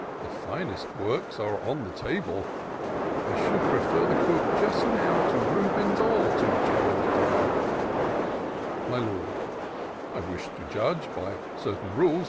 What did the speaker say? The finest works are on the table : I should prefer the cook just now. To Rubens or to Gerard Dow'' My Lord. *^ I wish to judge, by certain rules.